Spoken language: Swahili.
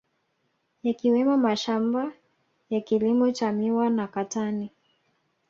Yakiwemo mashamaba ya kilimo cha miwa na katani